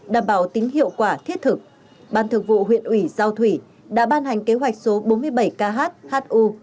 đảm bảo tính hiệu quả thiết thực ban thường vụ huyện ủy giao thủy đã ban hành kế hoạch số bốn mươi bảy khu